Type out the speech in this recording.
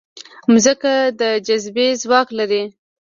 مځکه د جاذبې ځواک لري.